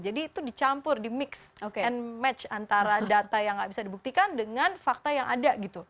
jadi itu dicampur di mix and match antara data yang nggak bisa dibuktikan dengan fakta yang ada gitu